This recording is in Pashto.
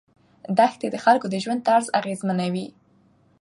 دښتې د خلکو د ژوند طرز اغېزمنوي.